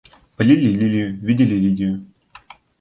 Полили лилию, видели Лидию.